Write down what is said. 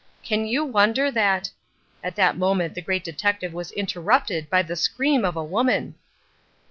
Can you wonder that—" At that moment the Great Detective was interrupted by the scream of a woman.